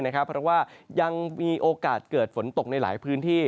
เพราะว่ายังมีโอกาสเกิดฝนตกในหลายพื้นที่